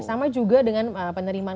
sama juga dengan penerimaan